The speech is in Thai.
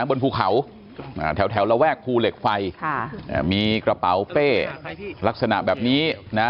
บนภูเขาแถวระแวกภูเหล็กไฟมีกระเป๋าเป้ลักษณะแบบนี้นะ